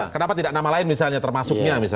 kenapa tidak nama lain misalnya termasuknya misalnya